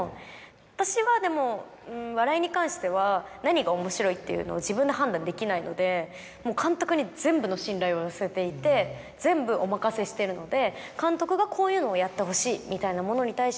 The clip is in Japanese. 私はでも笑いに関しては何が面白いっていうのを自分で判断できないので。を寄せていて全部お任せしてるので。